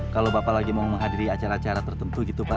kalau bapak lagi mau menghadiri acara acara tertentu gitu pak